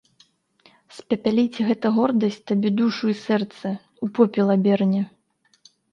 Спапяліць гэта гордасць табе душу і сэрца, у попел аберне.